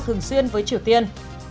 thường xuyên với triều tiên